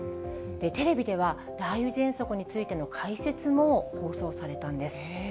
テレビでは、雷雨ぜんそくについての解説も放送されたんです。